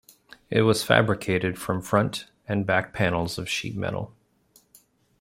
It was fabricated from front and back panels of sheet metal.